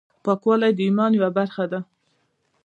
پاکوالی د ایمان یوه برخه ده۔